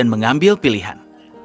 dia mengambil pilihan